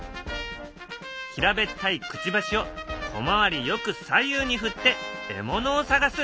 平べったいくちばしを小回りよく左右に振って獲物を探す。